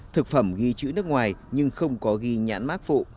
thực phẩm ghi chữ nước ngoài nhưng không có ghi nhãn mát phụ